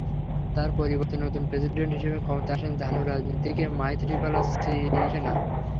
তাঁর পরিবর্তে নতুন প্রেসিডেন্ট হিসেবে ক্ষমতায় আসেন ঝানু রাজনীতিক মাইথ্রিপালা সিরিসেনা।